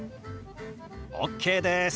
ＯＫです！